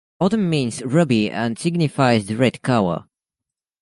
"Odem" means "ruby" and signifies the red color.